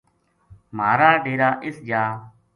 مھارا ڈیرا اس جا